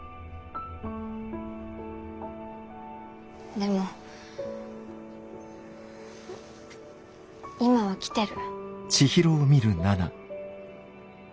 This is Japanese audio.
でも今は来てる。